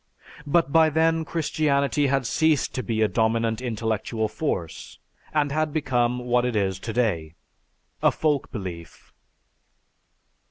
But by then Christianity had ceased to be a dominant intellectual force and had become what it is today, a folk belief."